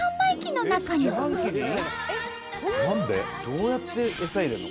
どうやって餌入れるの？